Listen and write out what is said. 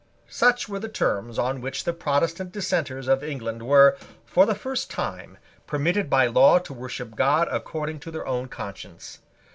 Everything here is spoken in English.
Such were the terms on which the Protestant dissenters of England were, for the first time, permitted by law to worship God according to their own conscience.